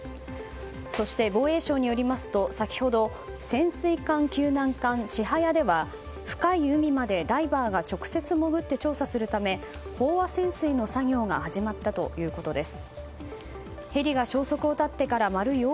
そして防衛省によりますと先ほど潜水艦救難艦「ちはや」では深い海までダイバーが直接潜って調査するため飽和潜水の作業が始まったということです。